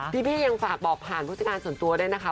พี่ยังฝากบอกผ่านผู้จัดการส่วนตัวด้วยนะคะ